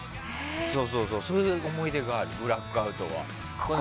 そういう思い出がある「ブラックアウト」は。